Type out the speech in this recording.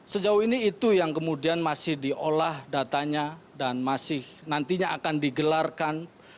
sejauh ini itu yang kemudian masih diolah datanya dan masih nantinya akan digelarkan